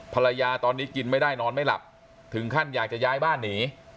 ภรรยาตอนนี้กินไม่ได้นอนไม่หลับถึงขั้นอยากจะย้ายบ้านหนี